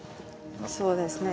そうですね